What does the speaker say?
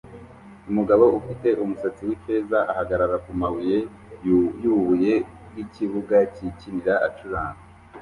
Umugabo ufite umusatsi wifeza ahagarara kumabuye yubuye bwikibuga cyikinira acuranga